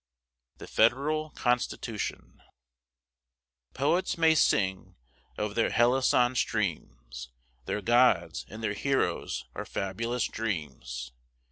THE FEDERAL CONSTITUTION Poets may sing of their Helicon streams; Their gods and their heroes are fabulous dreams!